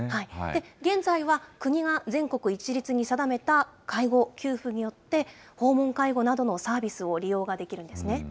現在は国が全国一律に定めた介護給付によって、訪問介護などのサービスを利用ができるんですね。